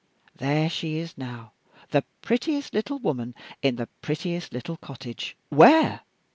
There she is now, the prettiest little woman in the prettiest little cottage " "Where?